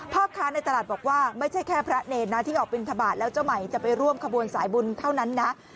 พ่อค้าในตลาดบอกว่าไม่ใช่แค่พระเนรนะที่ออกบินทบาทแล้วเจ้าใหม่จะไปร่วมขบวนสายบุญเท่านั้นนะ